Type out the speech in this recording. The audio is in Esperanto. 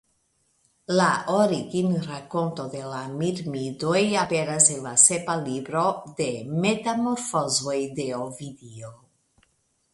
La originrakonto de la Mirmidoj aperas en la sepa libro de metamorfozoj de Ovidio.